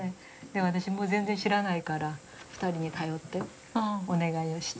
でも私もう全然知らないから２人に頼ってお願いをして。